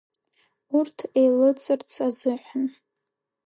Урҭ еилыҵырц азыҳәан…